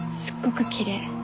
すっごくきれい。